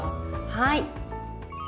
はい。